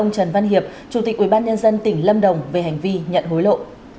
trần văn hiệp chủ tịch ubnd tỉnh lâm đồng về hành vi nhận hối lộ